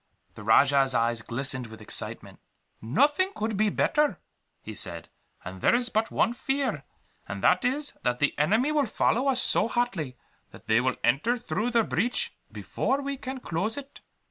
The rajah's eyes glistened with excitement. "Nothing could be better," he said; "and there is but one fear, and that is, that the enemy will follow us so hotly, that they will enter through the breach before we can close it."